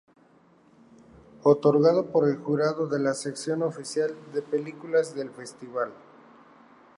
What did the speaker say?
Otorgado por el jurado de la 'sección oficial' de películas del festival.